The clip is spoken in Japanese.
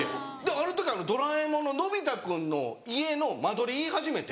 ある時『ドラえもん』ののび太君の家の間取り言い始めて。